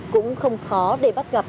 cũng không khó để bắt gặp